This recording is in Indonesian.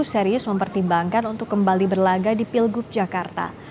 serius mempertimbangkan untuk kembali berlaga di pilgub jakarta